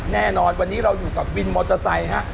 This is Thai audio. แน่นอนวันนี้เราอยู่กับวินมอเตอร์ไซค์ฮะ